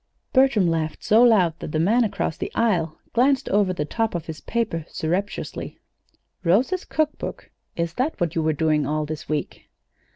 Bertram laughed so loud that the man across the aisle glanced over the top of his paper surreptitiously. "Rosa's cook book! Is that what you were doing all this week?"